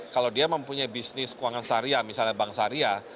kalau dia mempunyai bisnis keuangan syariah misalnya bank syariah